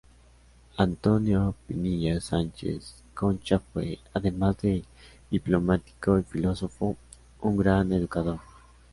Antonio Pinilla Sánchez Concha fue, además de diplomático y filósofo, un gran educador.